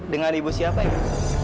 dengan ibu siapa ya